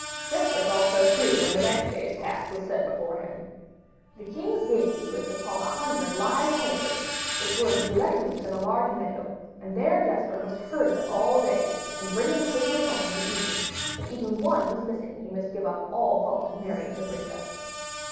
Jesper thought so too when the next day's task was set before him. The king's gamekeepers had caught a hundred live hares, which were to be let loose in a large meadow, and there Jesper must herd them all day, and bring them safely home in the evening: if even one were missing, he must give up all thought of marrying the princess.